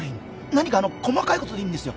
何か細かいことでいいんですよ